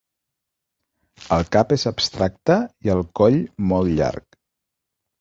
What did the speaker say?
El cap és abstracte i el coll molt llarg.